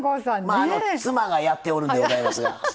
まあ妻がやっておるんでございますが。